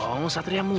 gimana kalau satria mulu